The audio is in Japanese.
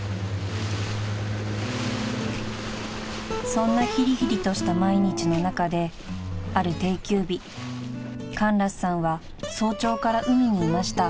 ［そんなひりひりとした毎日の中である定休日カンラスさんは早朝から海にいました］